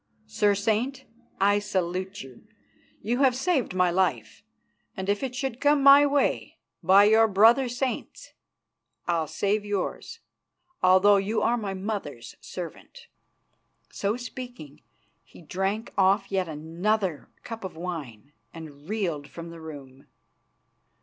Sir Saint, I salute you. You have saved my life and if it should come my way, by your brother saints! I'll save yours, although you are my mother's servant." So speaking, he drank off yet another cup of wine and reeled from the room.